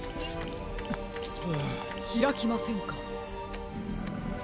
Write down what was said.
ひらきませんか。